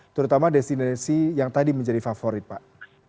terutama destinasi yang tadi menjadi favorit pak